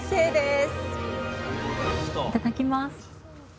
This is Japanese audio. いただきます！